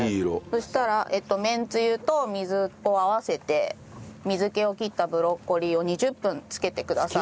そしたらめんつゆと水を合わせて水気を切ったブロッコリーを２０分漬けてください。